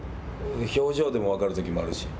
表情でも分かるときもあるし。